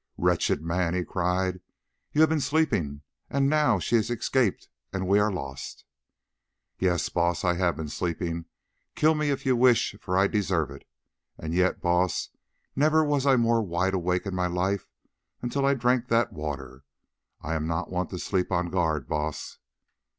"Wretched man!" he cried, "you have been sleeping, and now she has escaped and we are lost." "Yes, Baas, I have been sleeping. Kill me if you wish, for I deserve it. And yet, Baas, never was I more wide awake in my life until I drank that water. I am not wont to sleep on guard, Baas."